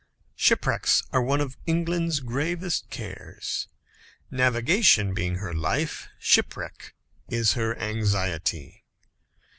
Shipwrecks are one of England's gravest cares. Navigation being her life, shipwreck is her anxiety.